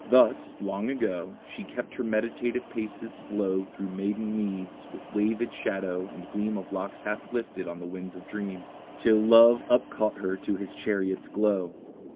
Thus, long ago, She kept her meditative paces slow Through maiden meads, with wavèd shadow and gleam Of locks half lifted on the winds of dream, Till love up caught her to his chariot's glow.